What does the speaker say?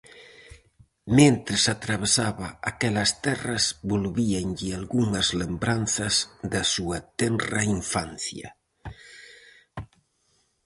Mentres atravesaba aquelas terras, volvíanlle algunhas lembranzas da súa tenra infancia.